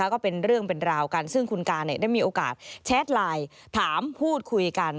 ก็เป็นเรื่องเป็นราวกันซึ่งคุณการได้มีโอกาสแชทไลน์ถามพูดคุยกัน